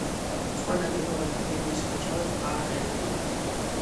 სხვა ნაგებობათა გეგმის გარჩევაც არ ხერხდება.